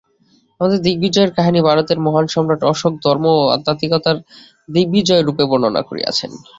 আমাদের দিগ্বিজয়ের কাহিনী ভারতের মহান সম্রাট অশোক ধর্ম ও আধ্যাত্মিকতার দিগ্বিজয়রূপে বর্ণনা করিয়াছেন।